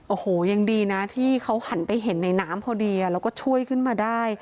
โอ้โหยังดีนะที่เขาหันไปเห็นในน้ำพอดีแล้วก็ช่วยขึ้นมาได้